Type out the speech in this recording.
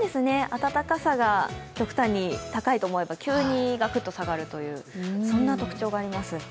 暖かさが極端に高いと思えば急にガクッと下がるというそんな特徴があります。